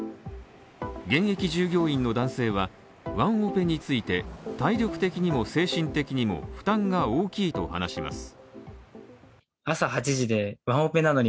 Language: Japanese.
現役従業員の男性はワンオペについて、体力的にも精神的にも負担が大きいと話します。